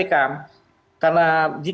oke terima kasih